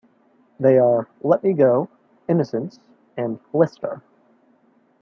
They are: "Let Me Go", "Innocence" and "Blister".